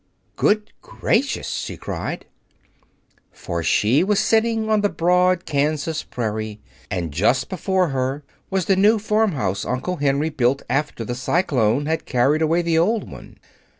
"Good gracious!" she cried. For she was sitting on the broad Kansas prairie, and just before her was the new farmhouse Uncle Henry built after the cyclone had carried away the old one.